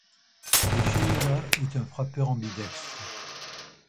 Teixeira est un frappeur ambidextre.